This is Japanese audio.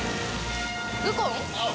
ウコン？